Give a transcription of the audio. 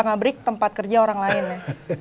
ngabrik tempat kerja orang lain ya